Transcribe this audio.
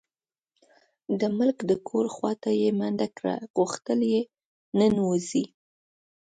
د ملک د کور خواته یې منډه کړه، غوښتل یې ننوځي.